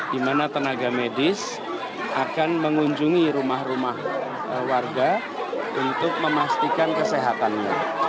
di mana tenaga medis akan mengunjungi rumah rumah warga untuk memastikan kesehatannya